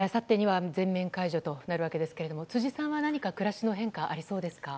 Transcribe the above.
あさってには全面解除となるわけですけども辻さんは何か暮らしの変化ありそうですか？